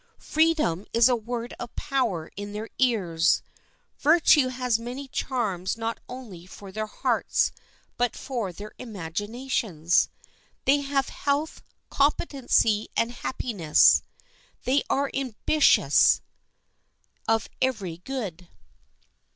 Freedom is a word of power in their ears. Virtue has many charms not only for their hearts, but for their imaginations. They have health, competency, and happiness. They are ambitious of every good.